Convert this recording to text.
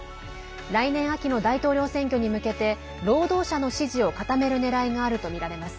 来年秋の大統領選挙に向けて労働者の支持を固めるねらいがあるとみられます。